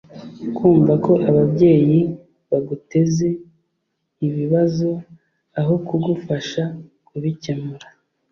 kumva ko ababyeyi baguteza ibibazo aho kugufasha kubikemura